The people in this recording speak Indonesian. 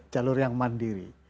jalur yang mandiri